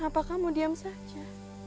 kenapa kamu diam saja